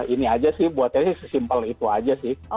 ini aja sih buat saya sih simple itu aja sih